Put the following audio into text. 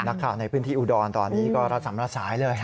ข่าวในพื้นที่อุดรตอนนี้ก็รับสำระสายเลย